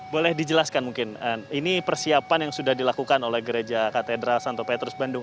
boleh dijelaskan mungkin ini persiapan yang sudah dilakukan oleh gereja katedral santo petrus bandung